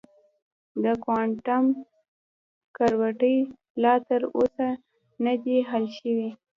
د کوانټم ګرویټي لا تر اوسه نه دی حل شوی.